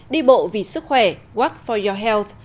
đi bộ vì sức khỏe work for your health